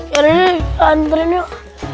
yaudah nih lantrin yuk